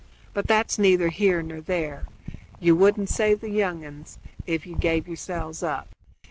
But that's neither here nor there. You wouldn't save the young ones if you gave yourselves up.